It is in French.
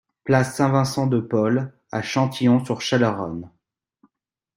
Place Saint-Vincent de Paul à Châtillon-sur-Chalaronne